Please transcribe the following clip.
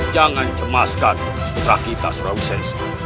jangan cemaskan putra kita sulawesi